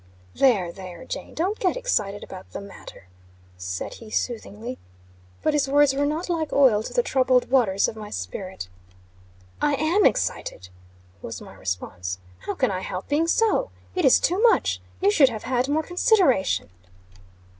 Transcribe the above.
"There, there, Jane. Don't get excited about the matter," said he soothingly. But his words were not like oil to the troubled waters of my spirit. "I am excited," was my response. "How can I help being so? It is too much! You should have had more consideration."